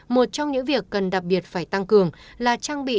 một trong những việc cần đặc biệt phải tăng cường là trang bị